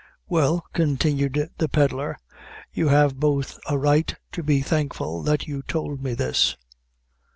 "Well," continued the pedlar, "you have both a right to be thankful that you tould me this.